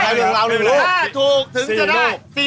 ถ้าถูกถึงจะได้